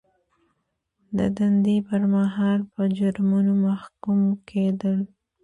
د دندې پر مهال په جرمونو محکوم کیدل.